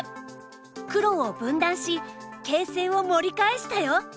黒を分断し形勢を盛り返したよ。